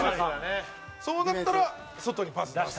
そうなったら外にパス出す。